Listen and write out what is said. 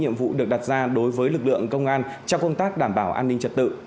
nhiệm vụ được đặt ra đối với lực lượng công an trong công tác đảm bảo an ninh trật tự